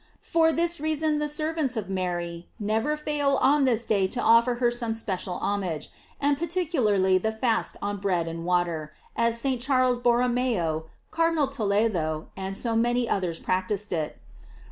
* For this reason the servants of Mary never fail on this day to offer her some special homage ; and particularly the fast on bread and water, as St. Charles Borromeo, Cardinal Toledo, and so many others practised it.